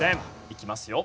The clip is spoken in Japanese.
いきますよ。